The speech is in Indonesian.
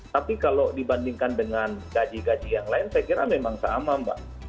tapi kalau dibandingkan dengan gaji gaji yang lain saya kira memang sama mbak